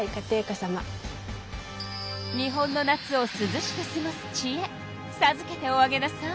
日本の夏をすずしくすごすちえさずけておあげなさい。